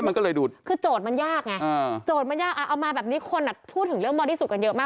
มันก็เลยดูคือโจทย์มันยากไงโจทย์มันยากอ่ะเอามาแบบนี้คนอ่ะพูดถึงเรื่องบริสุทธิกันเยอะมาก